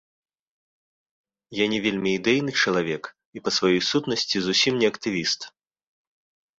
Я не вельмі ідэйны чалавек і па сваёй сутнасці зусім не актывіст.